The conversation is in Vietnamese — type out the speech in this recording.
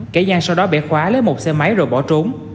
kẻ gian sau đó bẻ khóa lấy một xe máy rồi bỏ trốn